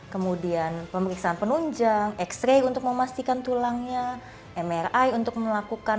kemudian pemeriksaan penunjang x ray untuk memastikan tulangnya mri untuk melakukan